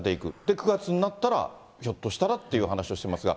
９月になったらひょっとしたらっていう話をしていますが。